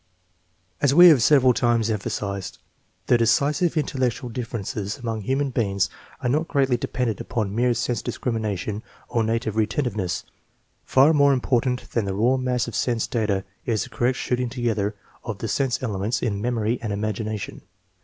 As we have several times emphasized, the decisive in tellectual differences among human beings are not greatly dependent upon mere sense discrimination or native re tentiveness. Far more important than the raw mass of sense data is the correct shooting together of the sense elements in memory and imagination.